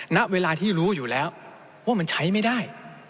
ณเวลาที่รู้อยู่แล้วว่ามันใช้ไม่ได้